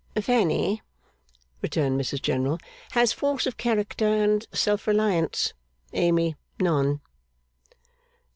'Fanny,' returned Mrs General, 'has force of character and self reliance. Amy, none.